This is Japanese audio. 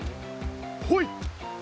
ほい。